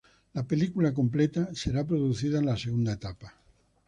La película completa será producida en la segunda etapa.